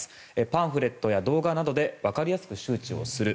パンフレットや動画などで分かりやすく周知する。